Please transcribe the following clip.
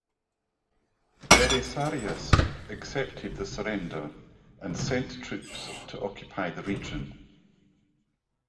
Belisarius accepted the surrender and sent troops to occupy the region.